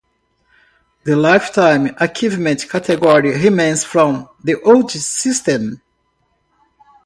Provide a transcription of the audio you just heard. The lifetime achievement category remains from the old system.